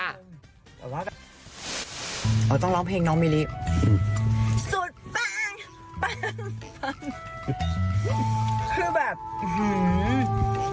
แต่ว่าแบบอ๋อต้องร้องเพลงน้องมิริอืมสุดแป้งแป้งแป้งคือแบบหือ